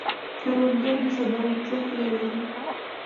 کروندګر د سباوونتیا هیله لري